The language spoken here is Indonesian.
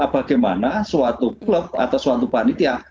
bagaimana suatu klub atau suatu panitia